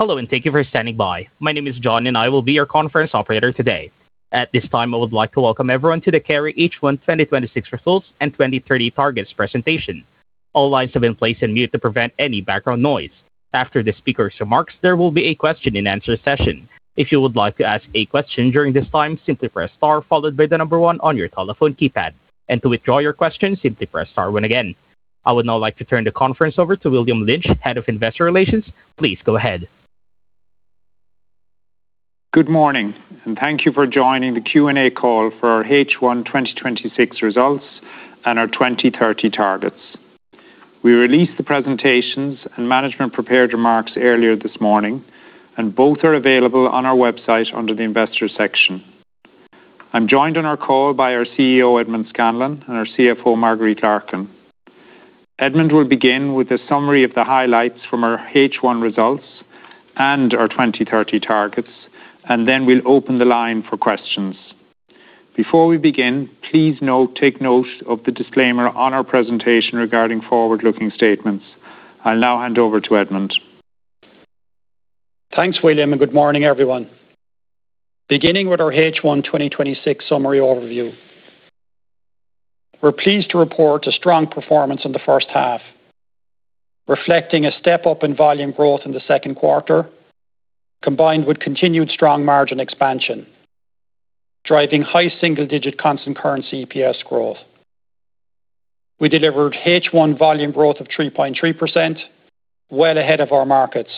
Hello, thank you for standing by. My name is John, I will be your conference operator today. At this time, I would like to welcome everyone to the Kerry H1 2026 results and 2030 targets presentation. All lines have been placed on mute to prevent any background noise. After the speaker's remarks, there will be a question and answer session. If you would like to ask a question during this time, simply press star followed by the number one on your telephone keypad. To withdraw your question, simply press star one again. I would now like to turn the conference over to William Lynch, Head of Investor Relations. Please go ahead. Good morning, thank you for joining the Q&A call for our H1 2026 results and our 2030 targets. We released the presentations and management prepared remarks earlier this morning, both are available on our website under the Investors section. I'm joined on our call by our CEO, Edmond Scanlon, and our CFO, Marguerite Larkin. Edmond will begin with a summary of the highlights from our H1 results and our 2030 targets, then we'll open the line for questions. Before we begin, please take note of the disclaimer on our presentation regarding forward-looking statements. I'll now hand over to Edmond. Thanks, William, good morning, everyone. Beginning with our H1 2026 summary overview. We're pleased to report a strong performance in the first half, reflecting a step up in volume growth in the second quarter, combined with continued strong margin expansion, driving high single-digit constant currency EPS growth. We delivered H1 volume growth of 3.3%, well ahead of our markets.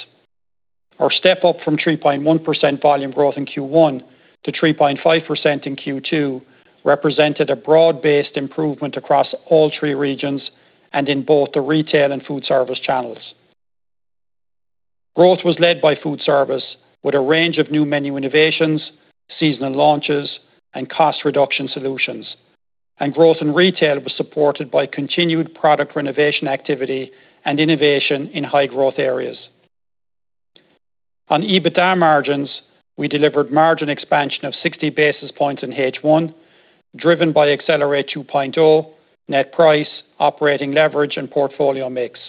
Our step up from 3.1% volume growth in Q1 to 3.5% in Q2 represented a broad-based improvement across all three regions and in both the retail and food service channels. Growth was led by food service with a range of new menu innovations, seasonal launches, and cost reduction solutions. Growth in retail was supported by continued product renovation activity and innovation in high-growth areas. On EBITDA margins, we delivered margin expansion of 60 basis points in H1, driven by Accelerate 2.0, net price, operating leverage, and portfolio mix,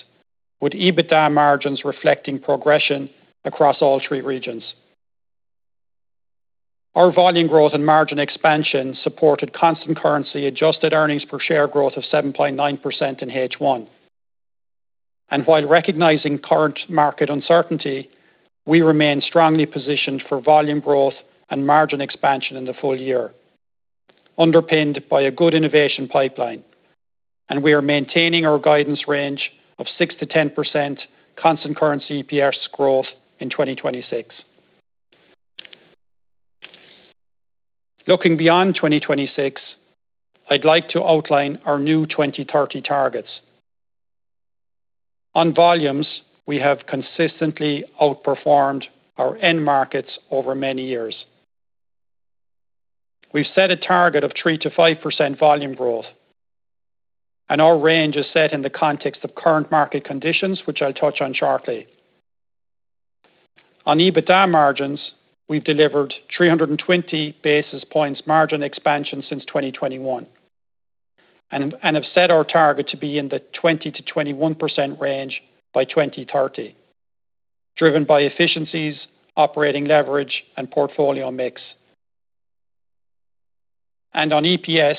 with EBITDA margins reflecting progression across all three regions. Our volume growth and margin expansion supported constant currency adjusted earnings per share growth of 7.9% in H1. While recognizing current market uncertainty, we remain strongly positioned for volume growth and margin expansion in the full year, underpinned by a good innovation pipeline. We are maintaining our guidance range of 6%-10% constant currency EPS growth in 2026. Looking beyond 2026, I'd like to outline our new 2030 targets. On volumes, we have consistently outperformed our end markets over many years. We've set a target of 3%-5% volume growth, our range is set in the context of current market conditions, which I'll touch on shortly. On EBITDA margins, we've delivered 320 basis points margin expansion since 2021 and have set our target to be in the 20%-21% range by 2030, driven by efficiencies, operating leverage, and portfolio mix. On EPS,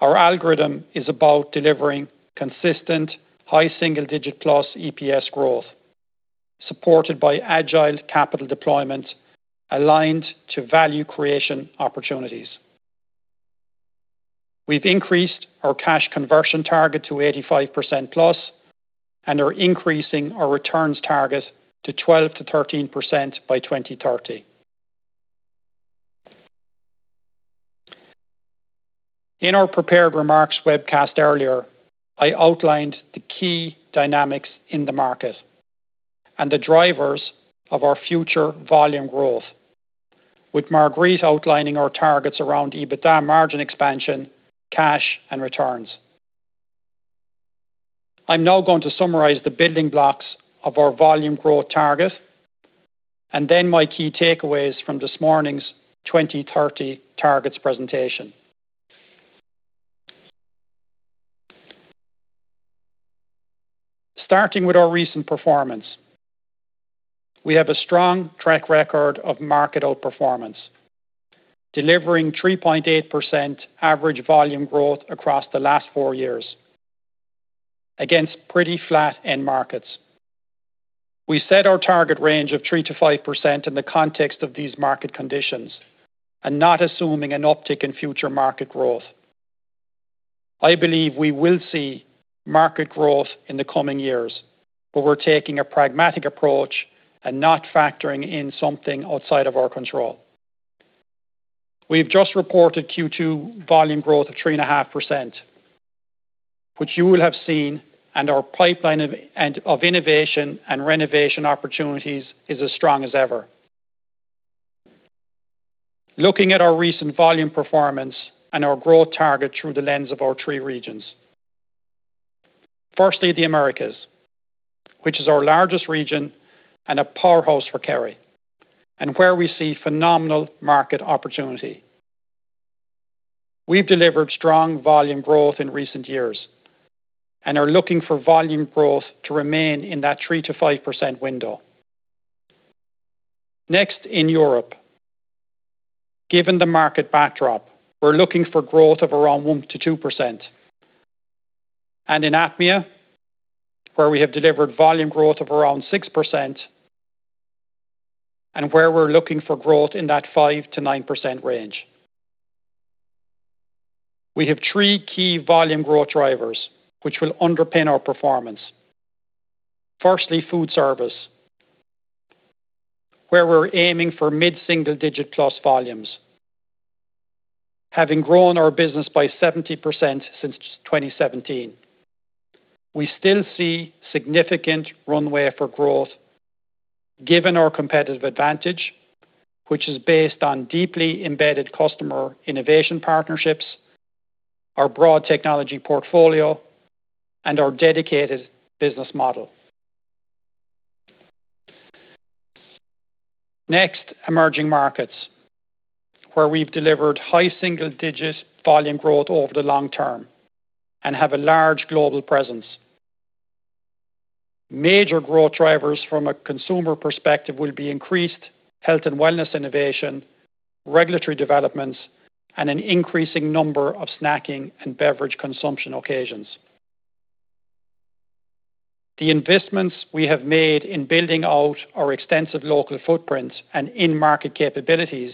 our algorithm is about delivering consistent high single-digit plus EPS growth, supported by agile capital deployment aligned to value creation opportunities. We've increased our cash conversion target to 85%+ and are increasing our returns target to 12%-13% by 2030. In our prepared remarks webcast earlier, I outlined the key dynamics in the market and the drivers of our future volume growth. With Marguerite outlining our targets around EBITDA margin expansion, cash, and returns. I'm now going to summarize the building blocks of our volume growth target, and then my key takeaways from this morning's 2030 targets presentation. Starting with our recent performance. We have a strong track record of market outperformance, delivering 3.8% average volume growth across the last four years against pretty flat end markets. We set our target range of 3%-5% in the context of these market conditions and not assuming an uptick in future market growth. I believe we will see market growth in the coming years, but we're taking a pragmatic approach and not factoring in something outside of our control. We've just reported Q2 volume growth of 3.5%, which you will have seen, and our pipeline of innovation and renovation opportunities is as strong as ever. Looking at our recent volume performance and our growth target through the lens of our three regions. Firstly, the Americas, which is our largest region and a powerhouse for Kerry, and where we see phenomenal market opportunity. We've delivered strong volume growth in recent years and are looking for volume growth to remain in that 3%-5% window. Next, in Europe. Given the market backdrop, we're looking for growth of around 1%-2%. In APMEA, where we have delivered volume growth of around 6% and where we're looking for growth in that 5%-9% range. We have three key volume growth drivers which will underpin our performance. Firstly, food service, where we're aiming for mid-single-digit plus volumes. Having grown our business by 70% since 2017, we still see significant runway for growth given our competitive advantage, which is based on deeply embedded customer innovation partnerships, our broad technology portfolio, and our dedicated business model. Next, emerging markets, where we've delivered high single-digit volume growth over the long term and have a large global presence. Major growth drivers from a consumer perspective will be increased health and wellness innovation, regulatory developments, and an increasing number of snacking and beverage consumption occasions. The investments we have made in building out our extensive local footprints and in-market capabilities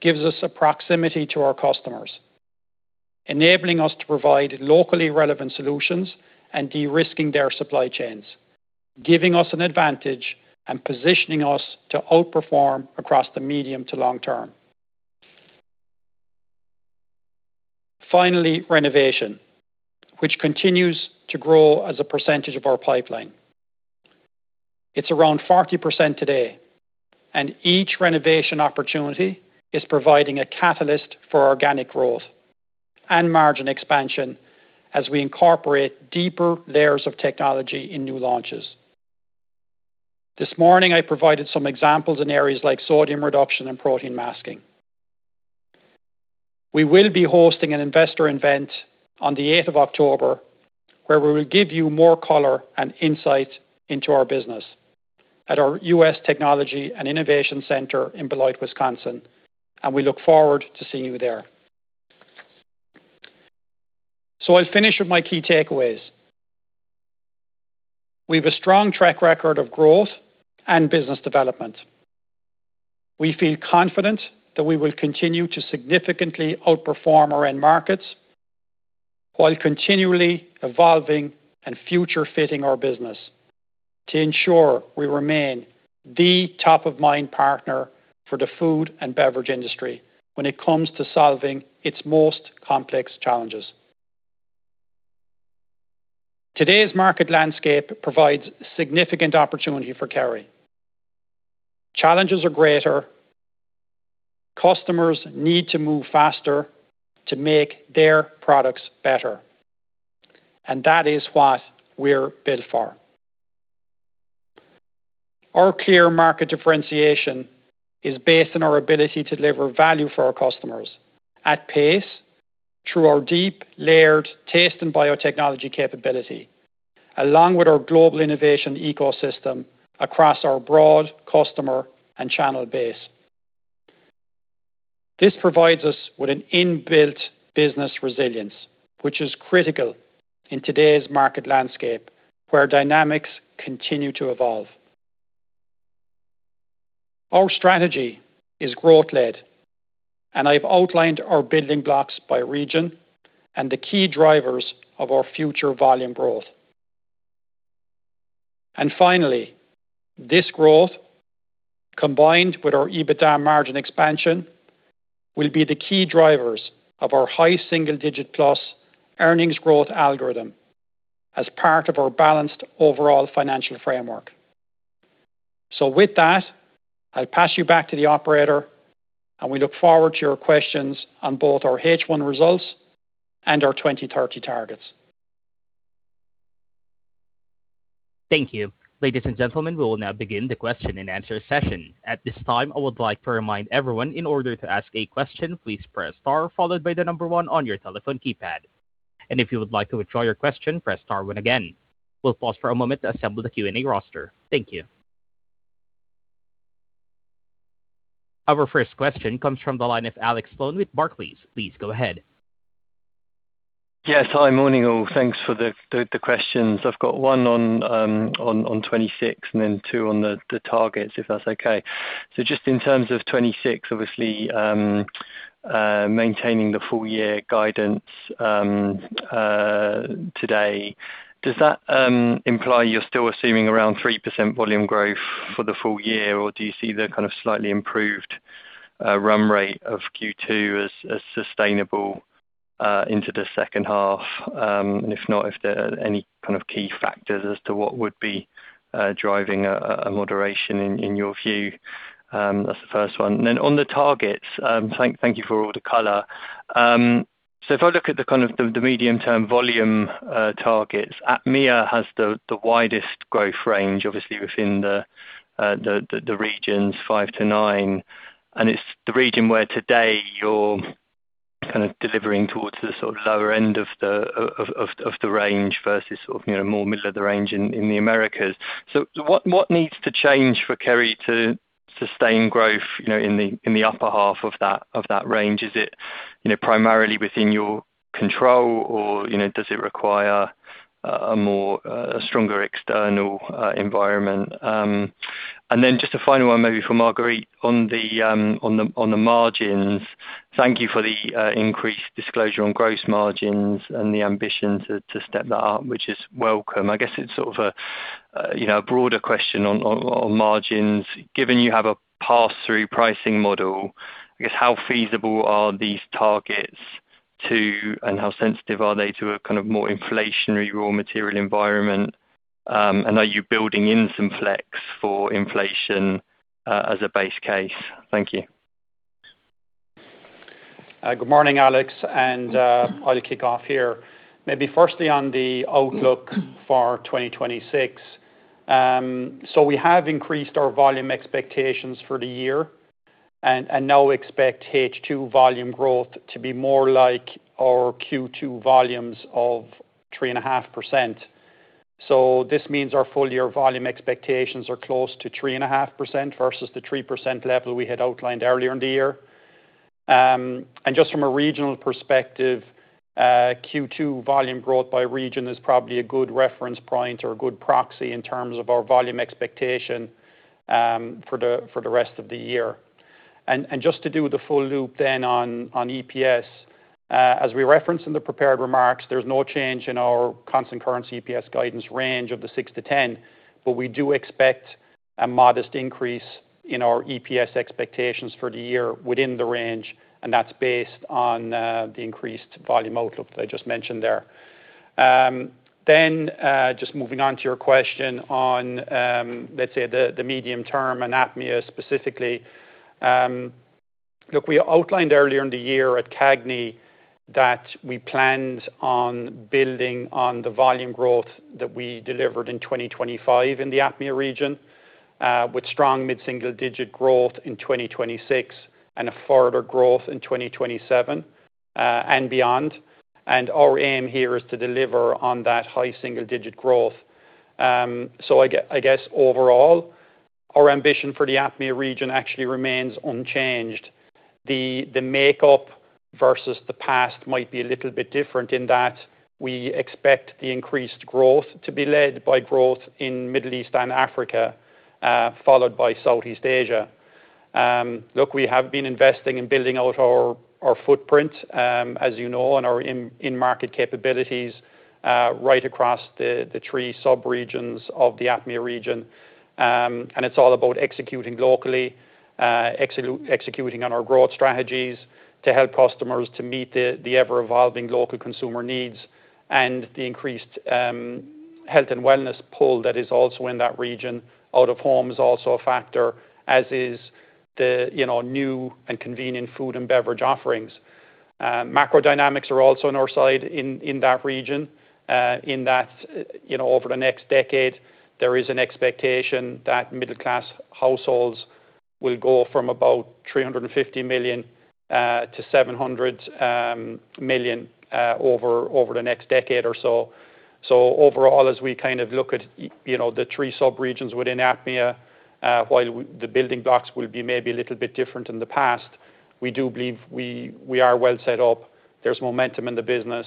gives us a proximity to our customers, enabling us to provide locally relevant solutions and de-risking their supply chains, giving us an advantage and positioning us to outperform across the medium to long term. Finally, renovation, which continues to grow as a percentage of our pipeline. It's around 40% today. Each renovation opportunity is providing a catalyst for organic growth and margin expansion as we incorporate deeper layers of technology in new launches. This morning, I provided some examples in areas like sodium reduction and protein masking. We will be hosting an investor event on the 8th of October, where we will give you more color and insight into our business at our U.S. Technology and Innovation Center in Beloit, Wisconsin, and we look forward to seeing you there. I'll finish with my key takeaways. We have a strong track record of growth and business development. We feel confident that we will continue to significantly outperform our end markets while continually evolving and future-fitting our business to ensure we remain the top-of-mind partner for the food and beverage industry when it comes to solving its most complex challenges. Today's market landscape provides significant opportunity for Kerry. Challenges are greater. Customers need to move faster to make their products better. That is what we're built for. Our clear market differentiation is based on our ability to deliver value for our customers at pace through our deep, layered taste and biotechnology capability, along with our global innovation ecosystem across our broad customer and channel base. This provides us with an inbuilt business resilience, which is critical in today's market landscape, where dynamics continue to evolve. Our strategy is growth led. I've outlined our building blocks by region and the key drivers of our future volume growth. Finally, this growth, combined with our EBITDA margin expansion, will be the key drivers of our high single-digit plus earnings growth algorithm as part of our balanced overall financial framework. With that, I'll pass you back to the operator, and we look forward to your questions on both our H1 results and our 2030 targets. Thank you. Ladies and gentlemen, we will now begin the question and answer session. At this time, I would like to remind everyone, in order to ask a question, please press star followed by the number one on your telephone keypad. If you would like to withdraw your question, press star one again. We'll pause for a moment to assemble the Q&A roster. Thank you. Our first question comes from the line of Alex Sloane with Barclays. Please go ahead. Yes. Hi. Morning all. Thanks for the questions. I've got one on 2026 and then two on the targets, if that's okay. Just in terms of 2026, obviously, maintaining the full year guidance today, does that imply you're still assuming around 3% volume growth for the full year? Or do you see the kind of slightly improved run rate of Q2 as sustainable into the second half? If not, if there are any kind of key factors as to what would be driving a moderation in your view. That's the first one. Then on the targets, thank you for all the color. If I look at the medium-term volume targets, APMEA has the widest growth range, obviously within the regions 5%-9%, and it's the region where today you're delivering towards the lower end of the range versus more middle of the range in the Americas. What needs to change for Kerry to sustain growth in the upper half of that range? Is it primarily within your control or does it require a stronger external environment? Then just a final one maybe for Marguerite on the margins. Thank you for the increased disclosure on gross margins and the ambition to step that up, which is welcome. I guess it's a broader question on margins. Given you have a pass-through pricing model, I guess how feasible are these targets to, and how sensitive are they to a more inflationary raw material environment? Are you building in some flex for inflation as a base case? Thank you. Good morning, Alex. I'll kick off here. Maybe firstly on the outlook for 2026. We have increased our volume expectations for the year and now expect H2 volume growth to be more like our Q2 volumes of 3.5%. This means our full year volume expectations are close to 3.5% versus the 3% level we had outlined earlier in the year. Just from a regional perspective, Q2 volume growth by region is probably a good reference point or a good proxy in terms of our volume expectation for the rest of the year. Just to do the full loop then on EPS, as we referenced in the prepared remarks, there's no change in our constant currency EPS guidance range of the 6%-10%. We do expect a modest increase in our EPS expectations for the year within the range, and that's based on the increased volume outlook that I just mentioned there. Just moving on to your question on, let's say the medium-term and APMEA specifically. Look, we outlined earlier in the year at CAGNY that we planned on building on the volume growth that we delivered in 2025 in the APMEA region with strong mid-single-digit growth in 2026 and a further growth in 2027 and beyond. Our aim here is to deliver on that high-single-digit growth. I guess overall, our ambition for the APMEA region actually remains unchanged. The makeup versus the past might be a little bit different in that we expect the increased growth to be led by growth in Middle East and Africa, followed by Southeast Asia. Look, we have been investing in building out our footprint as you know, and our in market capabilities right across the three subregions of the APMEA region. It's all about executing locally, executing on our growth strategies to help customers to meet the ever-evolving local consumer needs and the increased health and wellness pull that is also in that region. Out of home is also a factor, as is the new and convenient food and beverage offerings. Macro dynamics are also on our side in that region, in that over the next decade there is an expectation that middle class households will go from about 350 million to 700 million over the next decade or so. Overall, as we kind of look at the three subregions within APMEA, while the building blocks will be maybe a little bit different than the past, we do believe we are well set up. There's momentum in the business,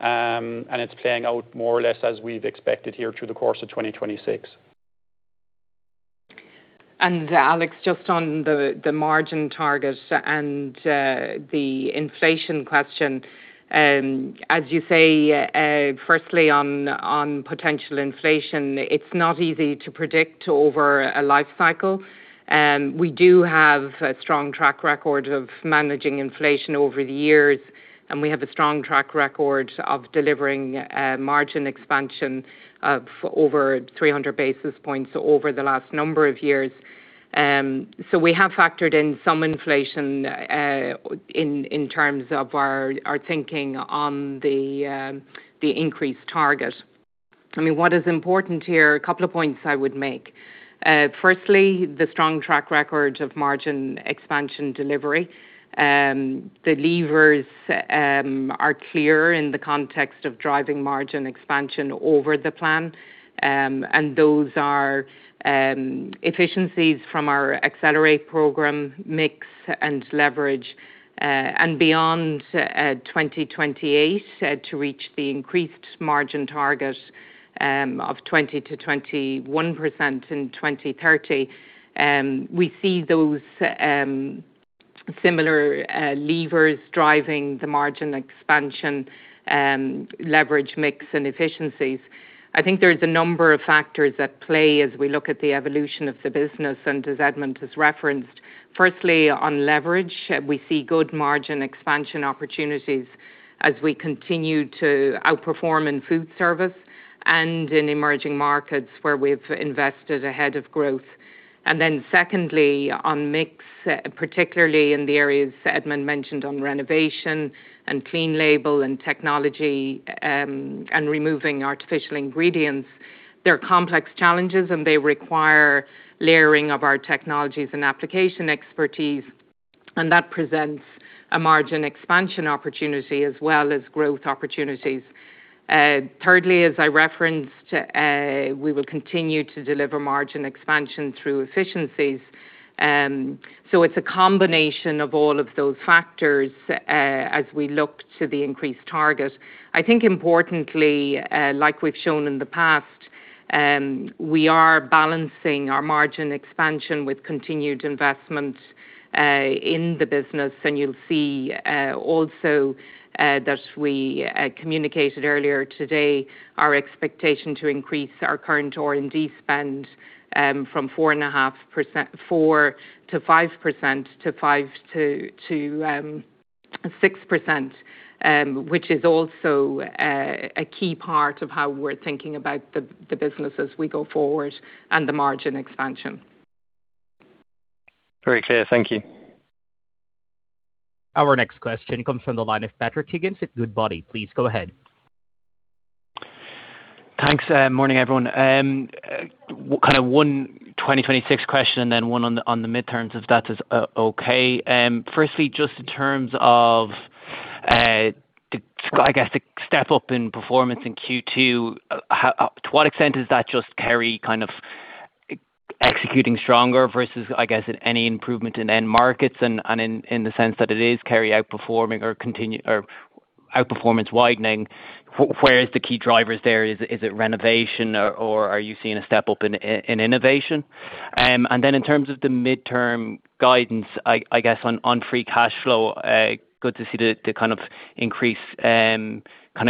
and it's playing out more or less as we've expected here through the course of 2026. Alex, just on the margin target and the inflation question. As you say, firstly on potential inflation, it's not easy to predict over a life cycle. We do have a strong track record of managing inflation over the years, and we have a strong track record of delivering margin expansion of over 300 basis points over the last number of years. We have factored in some inflation in terms of our thinking on the increased target. What is important here, a couple of points I would make. Firstly, the strong track record of margin expansion delivery. The levers are clear in the context of driving margin expansion over the plan. Those are efficiencies from our Accelerate program mix and leverage, and beyond 2028 to reach the increased margin target of 20%-21% in 2030. We see those similar levers driving the margin expansion leverage mix and efficiencies. I think there's a number of factors at play as we look at the evolution of the business and as Edmond has referenced. Firstly, on leverage, we see good margin expansion opportunities as we continue to outperform in food service and in emerging markets where we've invested ahead of growth. Then secondly, on mix, particularly in the areas Edmond mentioned on renovation and clean label and technology and removing artificial ingredients. They're complex challenges, and they require layering of our technologies and application expertise. That presents a margin expansion opportunity as well as growth opportunities. Thirdly, as I referenced, we will continue to deliver margin expansion through efficiencies. It's a combination of all of those factors as we look to the increased target. I think importantly, like we've shown in the past, we are balancing our margin expansion with continued investment in the business. You'll see also that we communicated earlier today our expectation to increase our current R&D spend from 4%-5%, to 5%-6%, which is also a key part of how we're thinking about the business as we go forward and the margin expansion. Very clear. Thank you. Our next question comes from the line of Patrick Higgins at Goodbody. Please go ahead. Thanks. Morning, everyone. Kind of one 2026 question, then one on the midterms, if that is okay. Firstly, just in terms of, I guess the step up in performance in Q2, to what extent is that just Kerry kind of executing stronger versus, I guess, any improvement in end markets in the sense that it is Kerry outperforming or outperformance widening, where is the key drivers there? Is it renovation or are you seeing a step up in innovation? In terms of the midterm guidance, I guess on free cash flow, good to see the kind of increased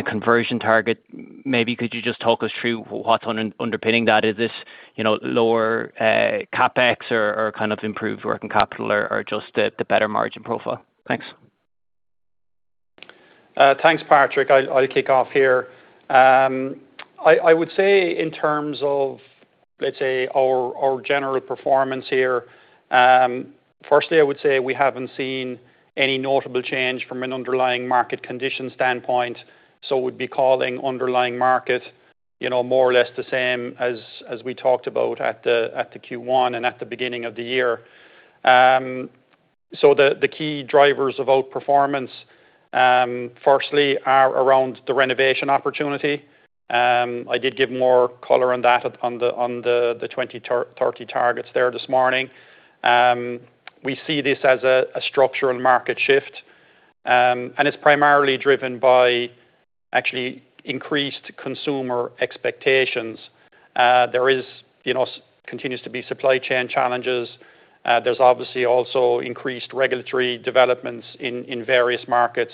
conversion target. Maybe could you just talk us through what's underpinning that? Is this lower CapEx or kind of improved working capital or just the better margin profile? Thanks. Thanks, Patrick. I'll kick off here. I would say in terms of, let's say, our general performance here. Firstly, I would say we haven't seen any notable change from an underlying market condition standpoint. We'd be calling underlying market more or less the same as we talked about at the Q1 and at the beginning of the year. The key drivers of outperformance, firstly, are around the renovation opportunity. I did give more color on that on the 2030 targets there this morning. We see this as a structural market shift, it's primarily driven by actually increased consumer expectations. There continues to be supply chain challenges. There's obviously also increased regulatory developments in various markets.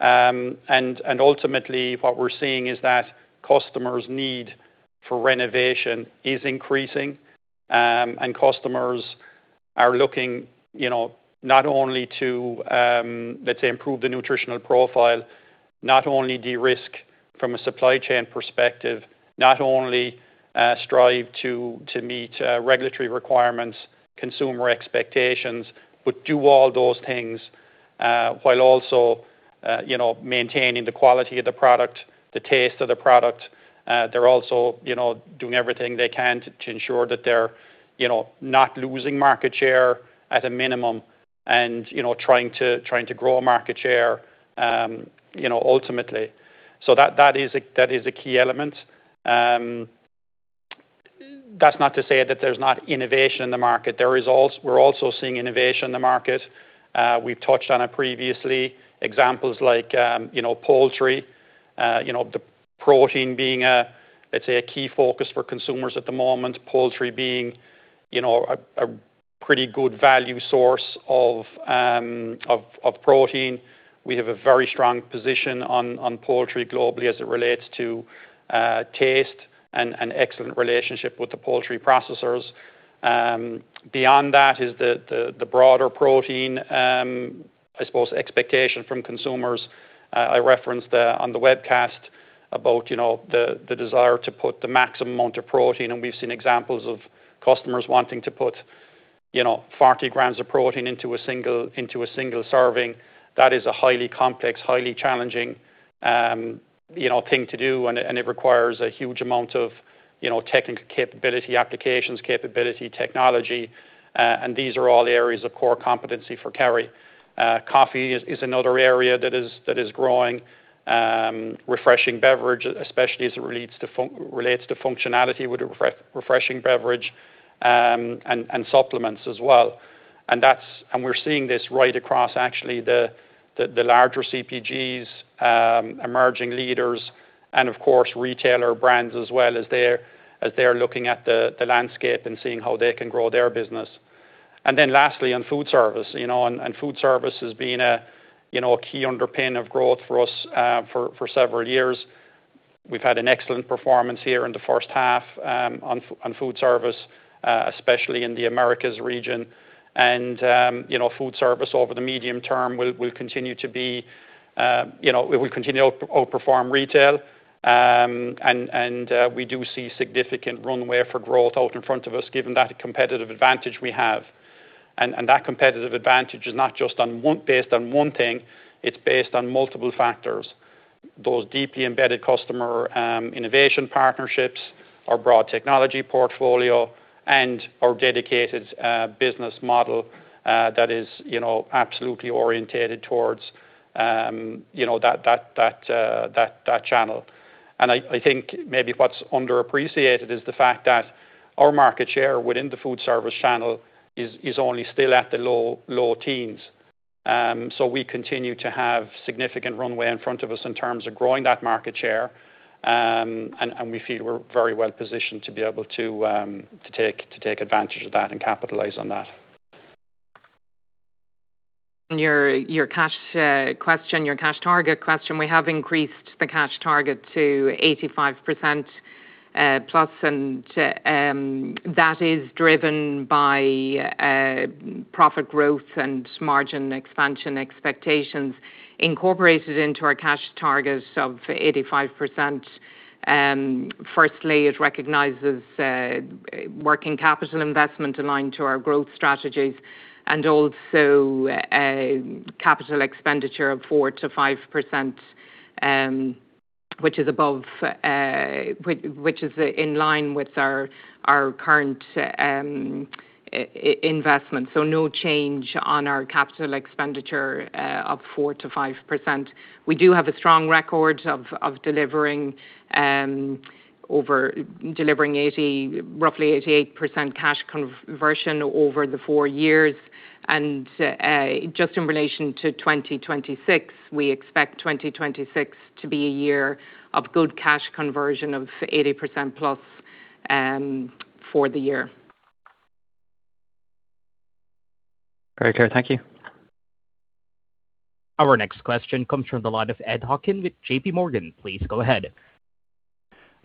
Ultimately what we're seeing is that customers' need for renovation is increasing. Customers are looking not only to, let's say, improve the nutritional profile, not only de-risk from a supply chain perspective, not only strive to meet regulatory requirements, consumer expectations, but do all those things while also maintaining the quality of the product, the taste of the product. They're also doing everything they can to ensure that they're not losing market share at a minimum and trying to grow market share ultimately. That is a key element. That's not to say that there's not innovation in the market. We're also seeing innovation in the market. We've touched on it previously. Examples like poultry, the protein being, let's say, a key focus for consumers at the moment. Poultry being a pretty good value source of protein. We have a very strong position on poultry globally as it relates to taste and an excellent relationship with the poultry processors. Beyond that is the broader protein, I suppose expectation from consumers. I referenced on the webcast about the desire to put the maximum amount of protein, we've seen examples of customers wanting to put 40 g of protein into a single serving. That is a highly complex, highly challenging thing to do, it requires a huge amount of technical capability, applications capability, technology. These are all areas of core competency for Kerry. Coffee is another area that is growing. Refreshing beverage, especially as it relates to functionality with a refreshing beverage, supplements as well. We're seeing this right across actually the larger CPGs, emerging leaders, and of course, retailer brands as well as they're looking at the landscape and seeing how they can grow their business. Then lastly, on food service. Food service has been a key underpin of growth for us for several years. We've had an excellent performance here in the first half on food service, especially in the Americas region. Food service over the medium term will continue to outperform retail. We do see significant runway for growth out in front of us given that competitive advantage we have. That competitive advantage is not just based on one thing, it's based on multiple factors. Those deeply embedded customer innovation partnerships, our broad technology portfolio, our dedicated business model that is absolutely orientated towards that channel. I think maybe what's underappreciated is the fact that our market share within the food service channel is only still at the low teens. We continue to have significant runway in front of us in terms of growing that market share, and we feel we're very well positioned to be able to take advantage of that and capitalize on that. Your cash target question, we have increased the cash target to 85%+, and that is driven by profit growth and margin expansion expectations incorporated into our cash targets of 85%. Firstly, it recognizes working capital investment aligned to our growth strategies and also a capital expenditure of 4%-5% which is in line with our current investment. No change on our capital expenditure of 4%-5%. We do have a strong record of delivering roughly 88% cash conversion over the four years. Just in relation to 2026, we expect 2026 to be a year of good cash conversion of 80%+ for the year. Very clear. Thank you. Our next question comes from the line of Ed Hawkins with JPMorgan. Please go ahead.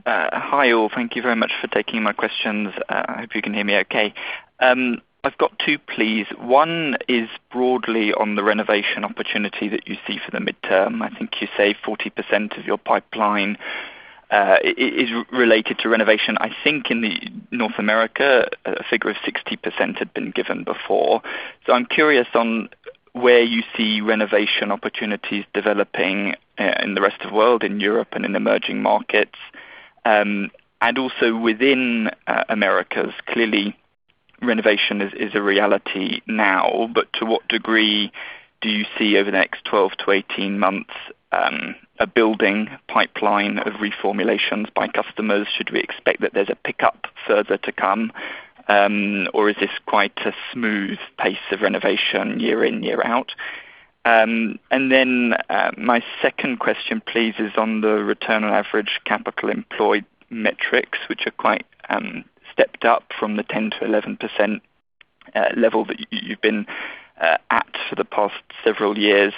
Hi, all. Thank you very much for taking my questions. I hope you can hear me okay. I've got two, please. One is broadly on the renovation opportunity that you see for the midterm. I think you say 40% of your pipeline is related to renovation. I think in North America, a figure of 60% had been given before. I'm curious on where you see renovation opportunities developing in the rest of the world, in Europe and in emerging markets. Also within Americas, clearly renovation is a reality now, but to what degree do you see over the next 12-18 months a building pipeline of reformulations by customers? Should we expect that there's a pickup further to come, or is this quite a smooth pace of renovation year in, year out? My second question, please, is on the return on average capital employed metrics, which are quite stepped up from the 10%-11% level that you've been at for the past several years.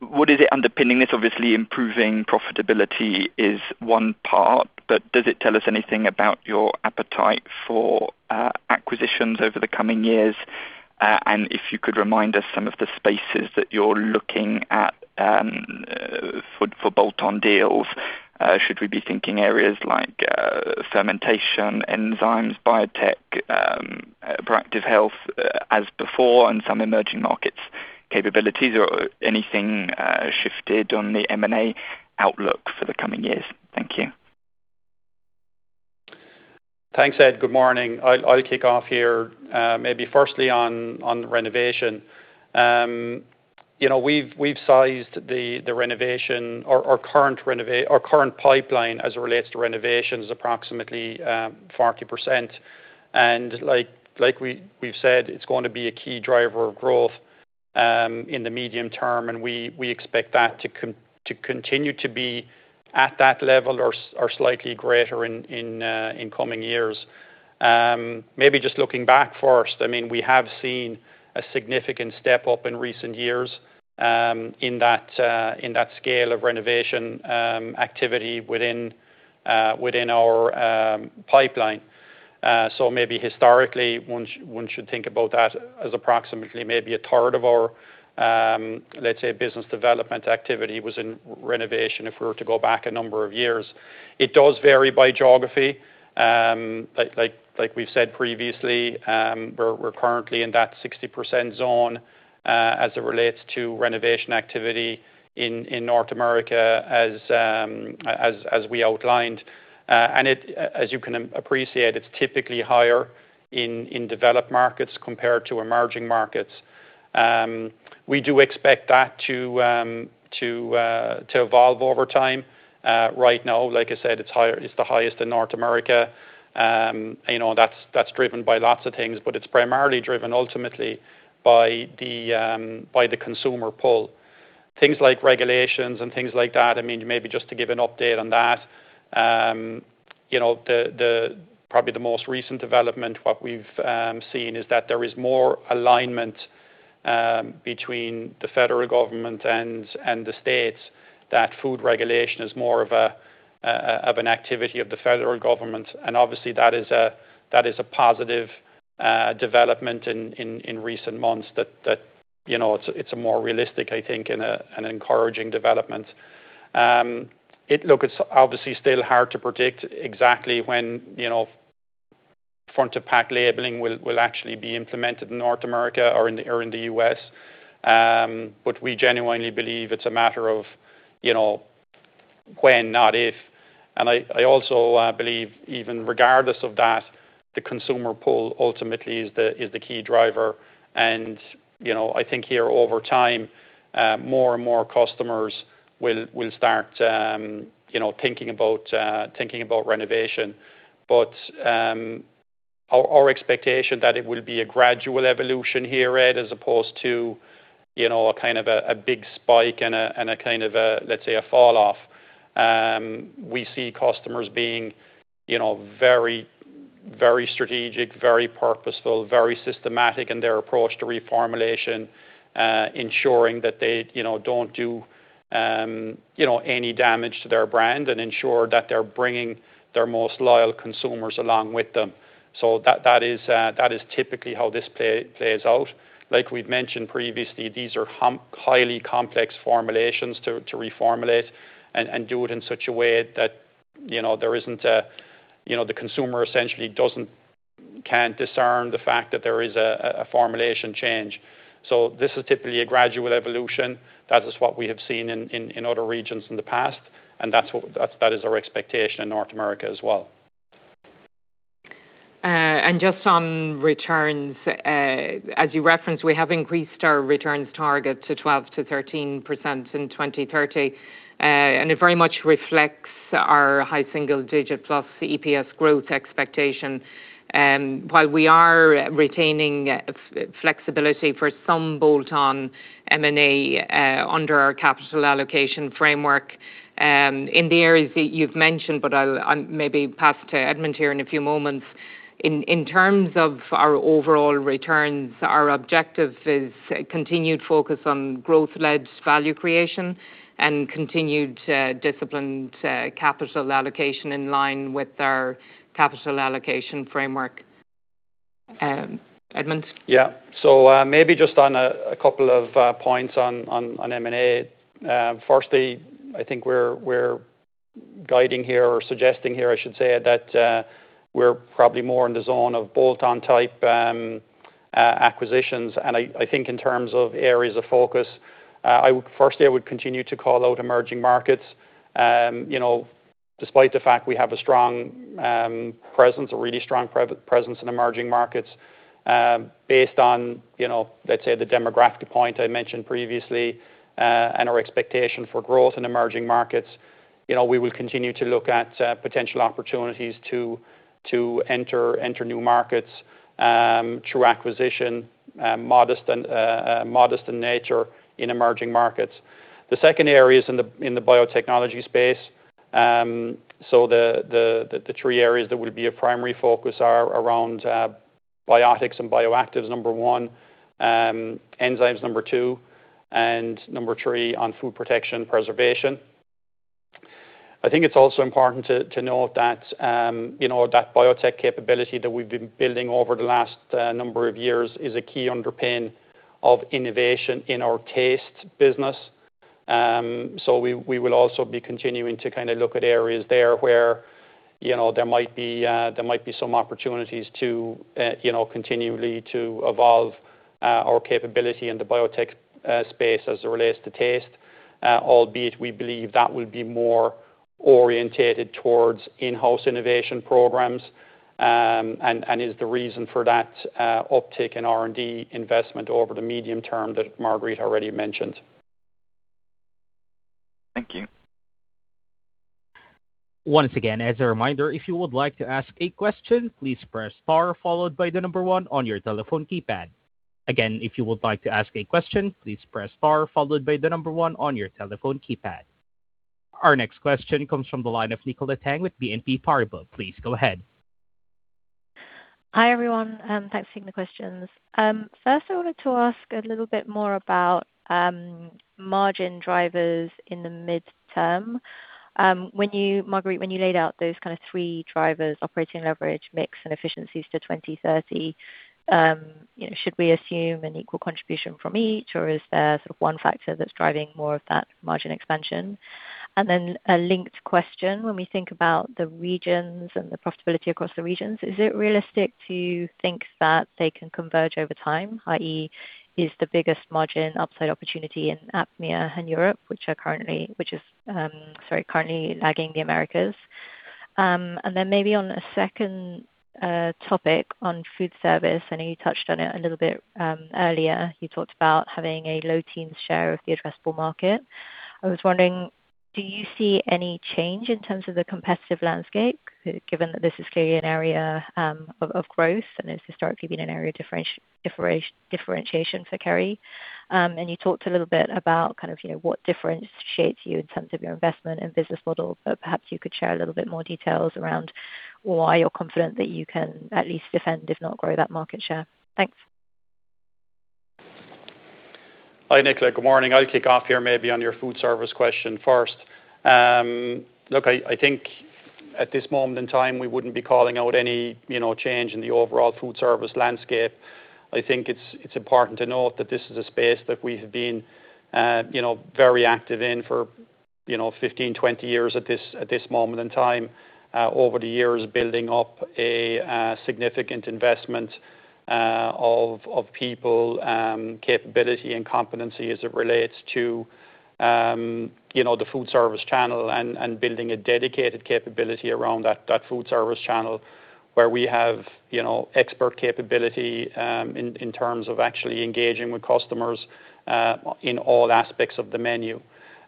What is it underpinning this? Obviously, improving profitability is one part, does it tell us anything about your appetite for acquisitions over the coming years? If you could remind us some of the spaces that you're looking at for bolt-on deals. Should we be thinking areas like fermentation, enzymes, biotech, proactive health as before in some emerging markets capabilities, or anything shifted on the M&A outlook for the coming years? Thank you. Thanks, Ed. Good morning. I'll kick off here. Maybe firstly on renovation. We've sized the renovation, or current pipeline as it relates to renovation is approximately 40%. Like we've said, it's going to be a key driver of growth in the medium term, and we expect that to continue to be at that level or slightly greater in coming years. Maybe just looking back first, we have seen a significant step up in recent years in that scale of renovation activity within our pipeline. Maybe historically, one should think about that as approximately maybe a third of our, let's say, business development activity was in renovation if we were to go back a number of years. It does vary by geography. Like we've said previously, we're currently in that 60% zone as it relates to renovation activity in North America as we outlined. As you can appreciate, it's typically higher in developed markets compared to emerging markets. We do expect that to evolve over time. Right now, like I said, it's the highest in North America. That's driven by lots of things, but it's primarily driven ultimately by the consumer pull. Things like regulations and things like that, maybe just to give an update on that. Probably the most recent development, what we've seen is that there is more alignment between the federal government and the states that food regulation is more of an activity of the federal government. Obviously that is a positive development in recent months that it's a more realistic, I think, and encouraging development. Look, it's obviously still hard to predict exactly when front of pack labeling will actually be implemented in North America or in the U.S. We genuinely believe it's a matter of when, not if. I also believe even regardless of that, the consumer pull ultimately is the key driver. I think here over time, more and more customers will start thinking about renovation. Our expectation that it will be a gradual evolution here, Ed, as opposed to a big spike and a let's say a fall off. We see customers being very strategic, very purposeful, very systematic in their approach to reformulation, ensuring that they don't do any damage to their brand and ensure that they're bringing their most loyal consumers along with them. That is typically how this plays out. Like we've mentioned previously, these are highly complex formulations to reformulate and do it in such a way that the consumer essentially can't discern the fact that there is a formulation change. This is typically a gradual evolution. That is what we have seen in other regions in the past, and that is our expectation in North America as well. Just on returns, as you referenced, we have increased our returns target to 12%-13% in 2030. It very much reflects our high-single-digit plus EPS growth expectation. While we are retaining flexibility for some bolt-on M&A under our capital allocation framework in the areas that you've mentioned, but I'll maybe pass to Edmond here in a few moments. In terms of our overall returns, our objective is a continued focus on growth-led value creation and continued disciplined capital allocation in line with our capital allocation framework. Edmond. Maybe just on a couple of points on M&A. Firstly, I think we're guiding here or suggesting here, I should say, that we're probably more in the zone of bolt-on type acquisitions. I think in terms of areas of focus, firstly, I would continue to call out emerging markets. Despite the fact we have a really strong presence in emerging markets based on, let's say, the demographic point I mentioned previously, and our expectation for growth in emerging markets. We will continue to look at potential opportunities to enter new markets through acquisition, modest in nature in emerging markets. The second area is in the biotechnology space. The three areas that will be a primary focus are around biotics and bioactives, number one, enzymes, number two, and number 3 on food protection preservation. I think it's also important to note that biotech capability that we've been building over the last number of years is a key underpin of innovation in our taste business. We will also be continuing to look at areas there where there might be some opportunities to continually evolve our capability in the biotech space as it relates to taste. Albeit, we believe that will be more orientated towards in-house innovation programs, and is the reason for that uptick in R&D investment over the medium term that Marguerite already mentioned. Thank you. Once again, as a reminder, if you would like to ask a question, please press star followed by the number one on your telephone keypad. Again, if you would like to ask a question, please press star followed by the number one on your telephone keypad. Our next question comes from the line of Nicola Tang with BNP Paribas. Please go ahead. Hi, everyone. Thanks for taking the questions. First I wanted to ask a little bit more about margin drivers in the midterm. Marguerite, when you laid out those kind of three drivers, operating leverage, mix, and efficiencies to 2030, should we assume an equal contribution from each, or is there sort of one factor that's driving more of that margin expansion? A linked question. When we think about the regions and the profitability across the regions, is it realistic to think that they can converge over time, i.e., is the biggest margin upside opportunity in APMEA and Europe, which is currently lagging the Americas? Maybe on a second topic on food service, I know you touched on it a little bit earlier. You talked about having a low teens share of the addressable market. I was wondering, do you see any change in terms of the competitive landscape, given that this is clearly an area of growth and has historically been an area of differentiation for Kerry? You talked a little bit about what differentiates you in terms of your investment and business model, but perhaps you could share a little bit more details around why you're confident that you can at least defend, if not grow that market share. Thanks. Hi, Nicola. Good morning. I'll kick off here maybe on your food service question first. Look, I think at this moment in time, we wouldn't be calling out any change in the overall food service landscape. I think it's important to note that this is a space that we have been very active in for 15, 20 years at this moment in time. Over the years, building up a significant investment of people, capability, and competency as it relates to the food service channel and building a dedicated capability around that food service channel, where we have expert capability in terms of actually engaging with customers in all aspects of the menu.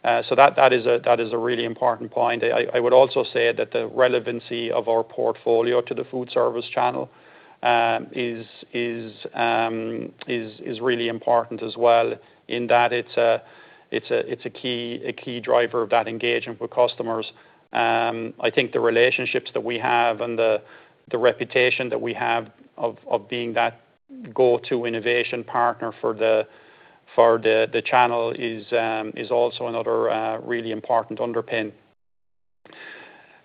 That is a really important point. I would also say that the relevancy of our portfolio to the food service channel is really important as well, in that it's a key driver of that engagement with customers. I think the relationships that we have and the reputation that we have of being that go-to innovation partner for the channel is also another really important underpin.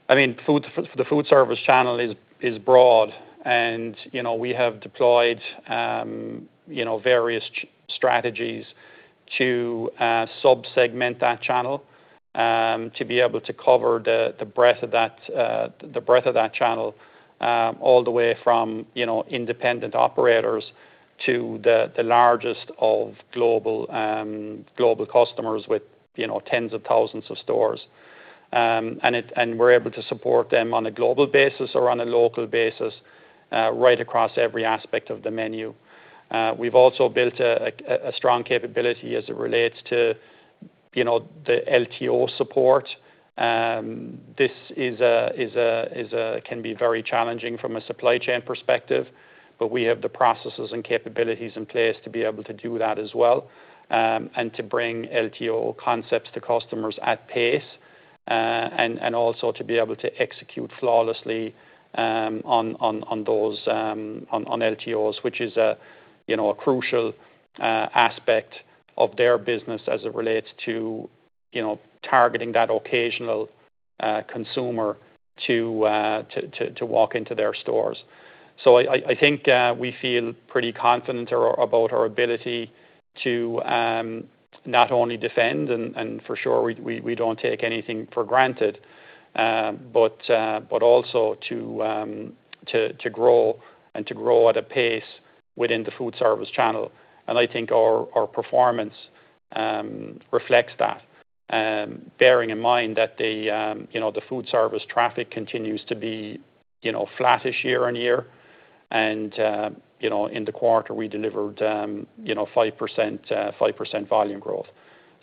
The food service channel is broad, and we have deployed various strategies to sub-segment that channel to be able to cover the breadth of that channel all the way from independent operators to the largest of global customers with tens of thousands of stores. We're able to support them on a global basis or on a local basis right across every aspect of the menu. We've also built a strong capability as it relates to the LTO support. This can be very challenging from a supply chain perspective, but we have the processes and capabilities in place to be able to do that as well and to bring LTO concepts to customers at pace and also to be able to execute flawlessly on LTOs, which is a crucial aspect of their business as it relates to targeting that occasional consumer to walk into their stores. I think we feel pretty confident about our ability to not only defend, and for sure, we don't take anything for granted, but also to grow and to grow at a pace within the food service channel. I think our performance reflects that, bearing in mind that the food service traffic continues to be flat-ish year-on-year. In the quarter, we delivered 5% volume growth.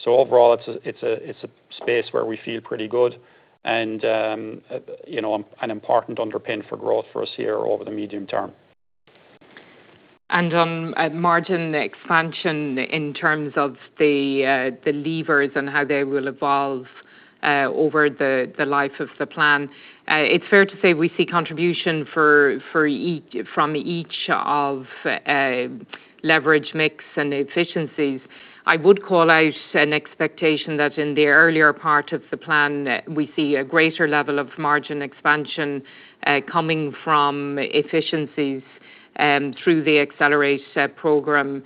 Overall, it's a space where we feel pretty good and an important underpin for growth for us here over the medium term. On margin expansion in terms of the levers and how they will evolve over the life of the plan, it's fair to say we see contribution from each of leverage mix and efficiencies. I would call out an expectation that in the earlier part of the plan, we see a greater level of margin expansion coming from efficiencies through the Accelerate program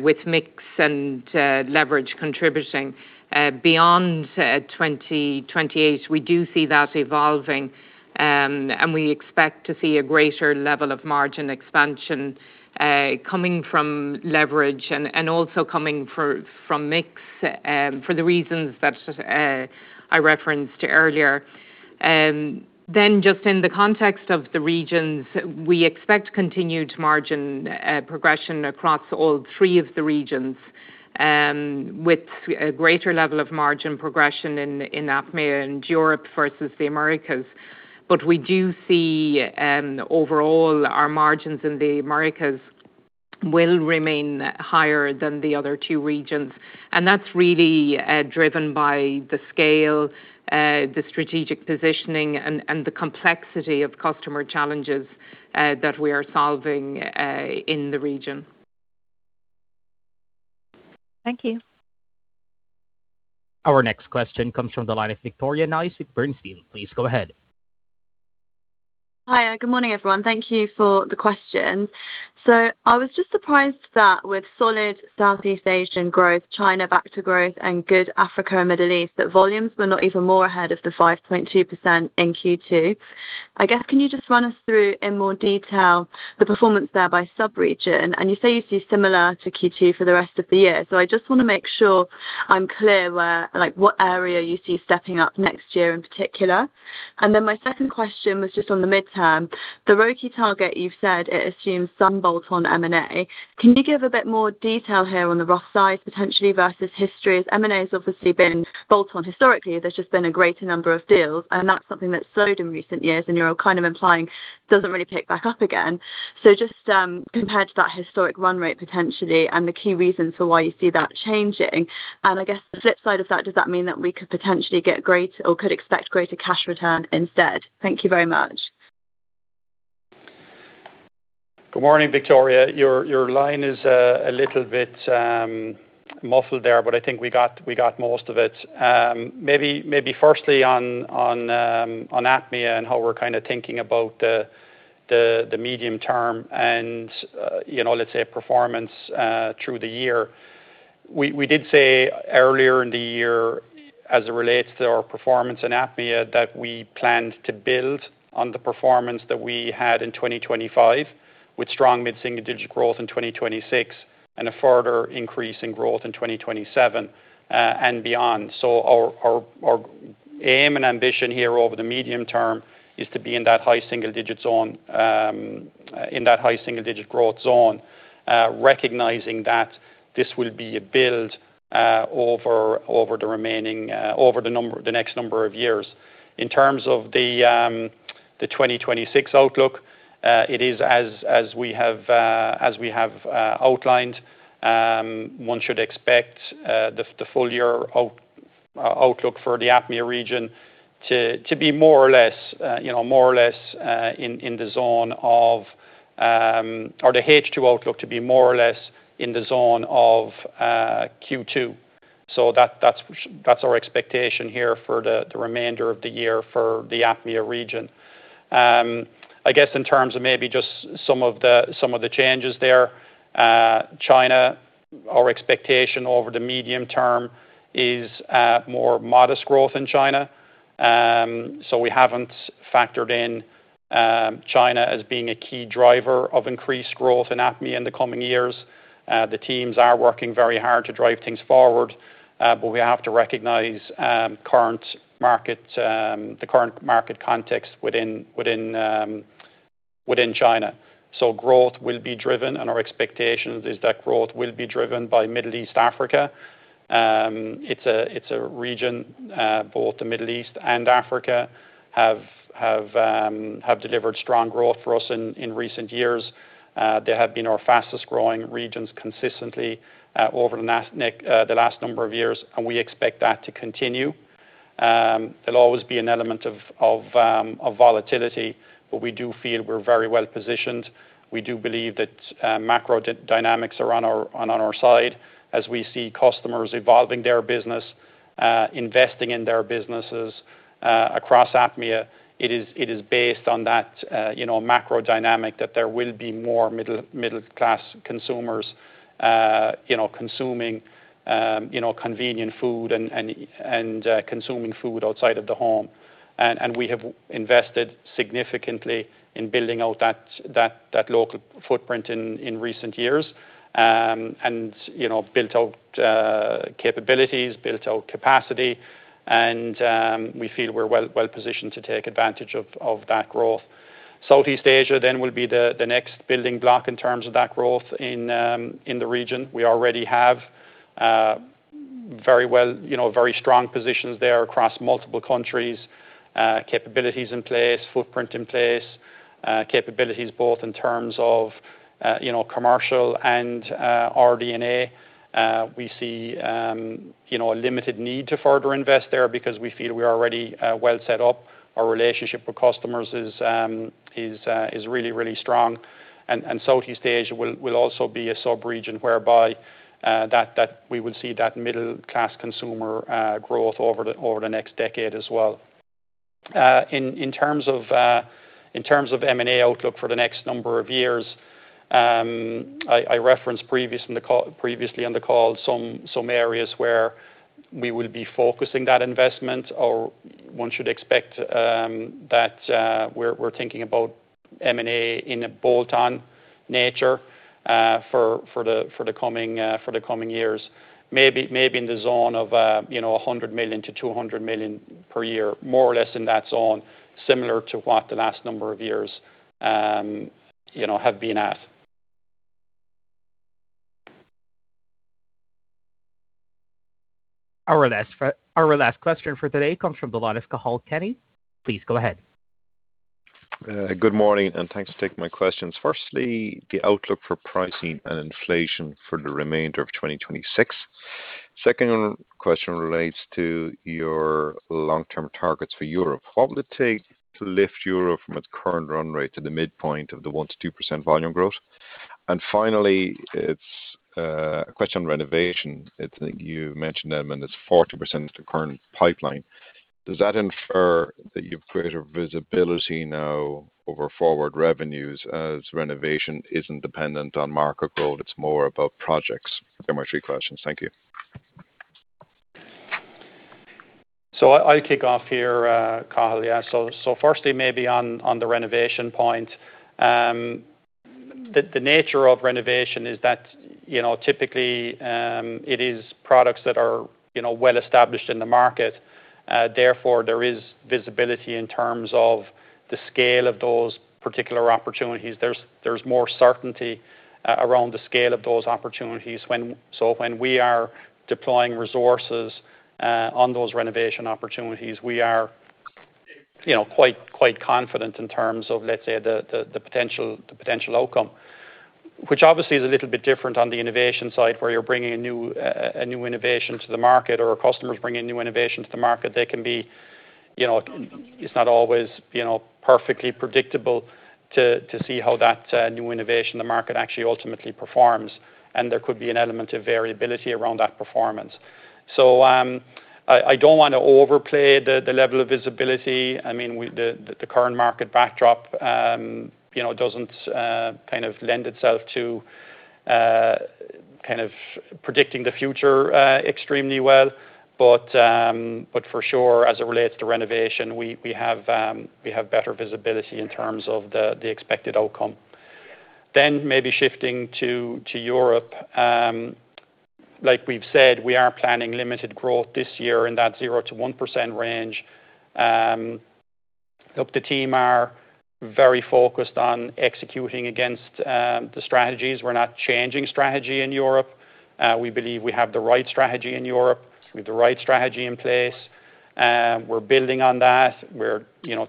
with mix and leverage contributing. Beyond 2028, we do see that evolving, we expect to see a greater level of margin expansion coming from leverage and also coming from mix for the reasons that I referenced earlier. In the context of the regions, we expect continued margin progression across all three of the regions with a greater level of margin progression in APMEA and Europe versus the Americas. We do see overall our margins in the Americas will remain higher than the other two regions. That's really driven by the scale, the strategic positioning, and the complexity of customer challenges that we are solving in the region. Thank you. Our next question comes from the line of Victoria Nice at Bernstein. Please go ahead. Hi. Good morning, everyone. Thank you for the question. I was just surprised that with solid Southeast Asian growth, China back to growth, and good Africa and Middle East, that volumes were not even more ahead of the 5.2% in Q2. Can you just run us through in more detail the performance there by sub-region? You say you see similar to Q2 for the rest of the year. I just want to make sure I'm clear what area you see stepping up next year in particular. My second question was just on the midterm. The ROCE target you've said it assumes some bolt-on M&A. Can you give a bit more detail here on the rough size potentially versus history, as M&A's obviously been bolt-on historically, there's just been a greater number of deals, and that's something that's slowed in recent years, and you're kind of implying doesn't really pick back up again. Just compared to that historic run rate potentially and the key reasons for why you see that changing? I guess the flip side of that, does that mean that we could potentially get greater or could expect greater cash return instead? Thank you very much. Good morning, Victoria. Your line is a little bit muffled there, but I think we got most of it. Firstly on APMEA and how we're kind of thinking about the medium term and let's say performance through the year. We did say earlier in the year, as it relates to our performance in APMEA, that we planned to build on the performance that we had in 2025, with strong mid-single digit growth in 2026, and a further increase in growth in 2027 and beyond. Our aim and ambition here over the medium term is to be in that high single digit growth zone, recognizing that this will be a build over the next number of years. In terms of the 2026 outlook, it is as we have outlined. One should expect the full year outlook for the APMEA region to be more or less in the zone of the H2 outlook to be more or less in the zone of Q2. That's our expectation here for the remainder of the year for the APMEA region. I guess in terms of maybe just some of the changes there. China, our expectation over the medium term is more modest growth in China. We haven't factored in China as being a key driver of increased growth in APMEA in the coming years. The teams are working very hard to drive things forward. We have to recognize the current market context within China. Growth will be driven, and our expectation is that growth will be driven by Middle East, Africa. It's a region, both the Middle East and Africa have delivered strong growth for us in recent years. They have been our fastest-growing regions consistently, over the last number of years, and we expect that to continue. There'll always be an element of volatility, but we do feel we're very well-positioned. We do believe that macro dynamics are on our side, as we see customers evolving their business, investing in their businesses across APMEA. It is based on that macro dynamic that there will be more middle-class consumers consuming convenient food and consuming food outside of the home. We have invested significantly in building out that local footprint in recent years. Built out capabilities, built out capacity and we feel we're well-positioned to take advantage of that growth. Southeast Asia then will be the next building block in terms of that growth in the region. We already have very strong positions there across multiple countries, capabilities in place, footprint in place. Capabilities both in terms of commercial and RD&A. We see a limited need to further invest there because we feel we're already well set up. Our relationship with customers is really strong. Southeast Asia will also be a sub-region whereby we would see that middle-class consumer growth over the next decade as well. In terms of M&A outlook for the next number of years, I referenced previously on the call some areas where we will be focusing that investment, or one should expect that we're thinking about M&A in a bolt-on nature for the coming years. Maybe in the zone of 100 million-200 million per year, more or less in that zone, similar to what the last number of years have been at. Our last question for today comes from the line of Cathal Kenny. Please go ahead. Good morning, and thanks for taking my questions. Firstly, the outlook for pricing and inflation for the remainder of 2026. Second question relates to your long-term targets for Europe. What will it take to lift Europe from its current run rate to the midpoint of the 1%-2% volume growth? Finally, it's a question on renovation. I think you mentioned them, and it's 40% of the current pipeline. Does that infer that you've greater visibility now over forward revenues as renovation isn't dependent on market growth, it's more about projects? They're my three questions. Thank you. I'll kick off here, Cathal. Firstly, maybe on the renovation point. The nature of renovation is that typically it is products that are well established in the market. Therefore, there is visibility in terms of the scale of those particular opportunities. There's more certainty around the scale of those opportunities. When we are deploying resources on those renovation opportunities, we are quite confident in terms of, let's say, the potential outcome. Which obviously is a little bit different on the innovation side, where you're bringing a new innovation to the market, or a customer is bringing new innovation to the market. It's not always perfectly predictable to see how that new innovation in the market actually ultimately performs, and there could be an element of variability around that performance. I don't want to overplay the level of visibility. I mean, the current market backdrop doesn't kind of lend itself to predicting the future extremely well. For sure, as it relates to renovation, we have better visibility in terms of the expected outcome. Maybe shifting to Europe. Like we've said, we are planning limited growth this year in that 0%-1% range. Look, the team are very focused on executing against the strategies. We're not changing strategy in Europe. We believe we have the right strategy in Europe, with the right strategy in place. We're building on that. We're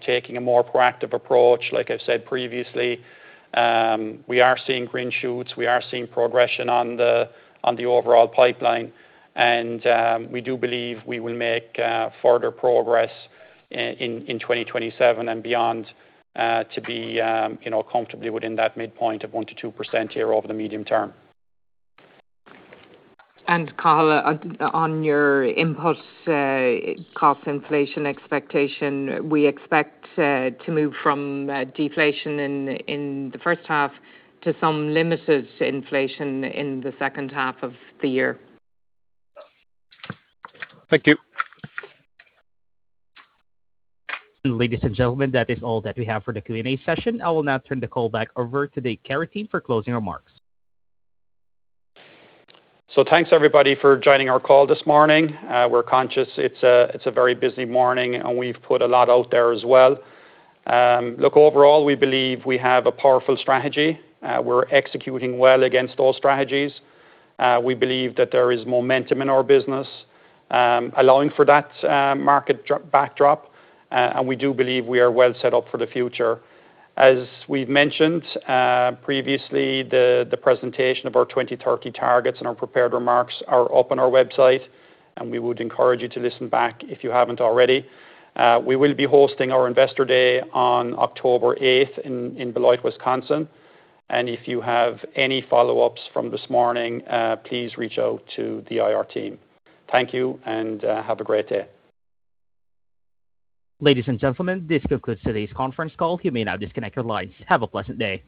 taking a more proactive approach, like I've said previously. We are seeing green shoots. We are seeing progression on the overall pipeline, and we do believe we will make further progress in 2027 and beyond to be comfortably within that midpoint of 1%-2% here over the medium term. Cathal, on your inputs cost inflation expectation, we expect to move from deflation in the first half to some limited inflation in the second half of the year. Thank you. Ladies and gentlemen, that is all that we have for the Q&A session. I will now turn the call back over to the Kerry team for closing remarks. Thanks everybody for joining our call this morning. We're conscious it's a very busy morning, we've put a lot out there as well. Overall, we believe we have a powerful strategy. We're executing well against those strategies. We believe that there is momentum in our business allowing for that market backdrop. We do believe we are well set up for the future. As we've mentioned previously, the presentation of our 2030 targets and our prepared remarks are up on our website, we would encourage you to listen back if you haven't already. We will be hosting our Investor Day on October 8th in Beloit, Wisconsin. If you have any follow-ups from this morning, please reach out to the IR team. Thank you, have a great day. Ladies and gentlemen, this concludes today's conference call. You may now disconnect your lines. Have a pleasant day.